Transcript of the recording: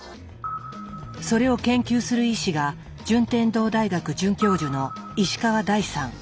それを研究する医師が順天堂大学准教授の石川大さん。